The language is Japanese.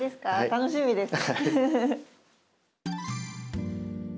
楽しみです。